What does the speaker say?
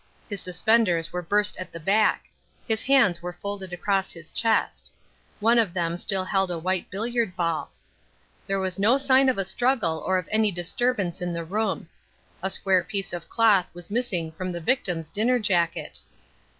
His suspenders were burst at the back. His hands were folded across his chest. One of them still held a white billiard ball. There was no sign of a struggle or of any disturbance in the room. A square piece of cloth was missing from the victim's dinner jacket.